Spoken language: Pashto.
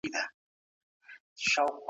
نن ټولنيز انسجام کارېږي.